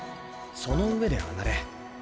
その上で上がれ。